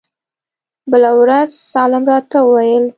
بله ورځ سالم راته وويل.